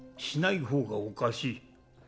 しない方がおかしい